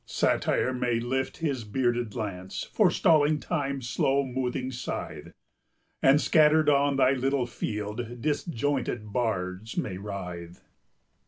Satire may lift his bearded lance, Forestalling Time's slow moving scythe, And, scattered on thy little field, Disjointed bards may writhe.